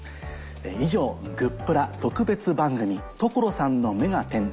以上「グップラ」特別番組『所さんの目がテン！』